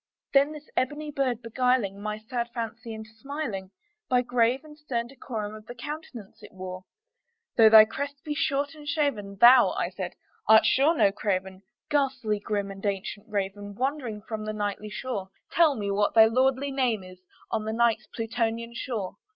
Then this ebony bird beguiling my sad fancy into smiling By the grave and stern decorum of the countenance it wore, "Though thy crest be shorn and shaven, thou," I said, "art sure no craven, Ghastly grim and ancient Raven wandering from the Nightly shore, Tell, me what thy lordly name is on the Night's Plutonian shore!"